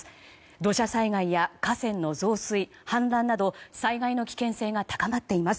土砂災害や河川の増水・氾濫など災害の危険性が高まっています。